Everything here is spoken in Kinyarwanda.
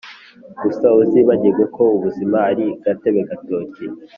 gusa uzibagirwa ko ubuzima ari gatebe gatoki!